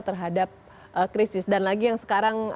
terhadap krisis dan lagi yang sekarang